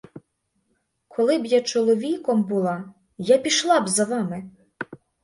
Коли б я чоловіком була, я пішла б за вами!